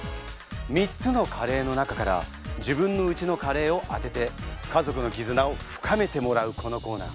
３つのカレーの中から自分のうちのカレーを当てて家族の絆を深めてもらうこのコ−ナー。